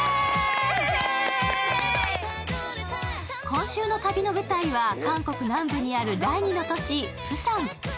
今週の旅の舞台は韓国南部にある第二の都市・プサン。